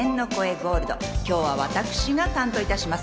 ゴールド、今日は私が担当いたします。